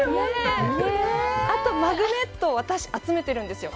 あと、マグネット、私、集めてるんですよ。